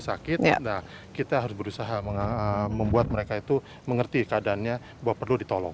sakit nah kita harus berusaha membuat mereka itu mengerti keadaannya bahwa perlu ditolong